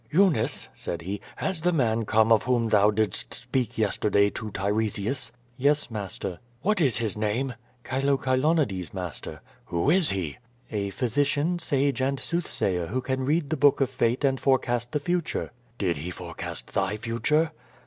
Eunice," said he, *Tias the man come of whom thou didst speak yesterday to Tiresias?" "Yes; master." ''What is his name??" "Chile Chilonides, master/' "Who is he?" "A physician, sage and soothsayer who can read the book of fate and forecast the future." "Did he forecast thy future?"